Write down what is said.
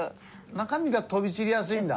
中身が飛び散りやすいんだ。